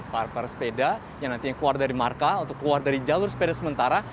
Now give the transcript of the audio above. parper sepeda yang nantinya keluar dari marka atau keluar dari jalur sepeda sementara